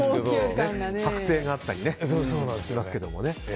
剥製があったりしますけれども。